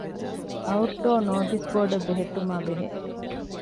އައުޓްޑޯ ނޯޓިސް ބޯޑެއް ބެހެއްޓުމާއި ބެހޭ